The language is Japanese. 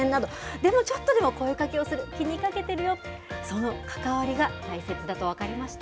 でもちょっとでも声かけをする、気にかけてるよ、その関わりが大切だと分かりました。